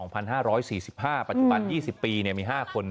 ปัจจุบัน๒๐ปีมี๕คน